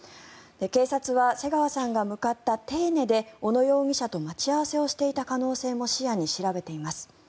警察は瀬川さんが向かった手稲で小野容疑者と待ち合わせをしていた可能性も視野に調べています。